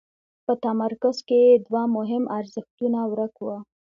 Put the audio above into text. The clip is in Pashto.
په تمرکز کې یې دوه مهم ارزښتونه ورک وو.